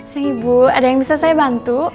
si ibu ada yang bisa saya bantu